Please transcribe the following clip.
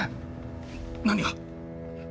何が？